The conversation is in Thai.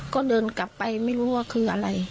ก็เดินกลับไปไม่รู้ว่าคืออะไร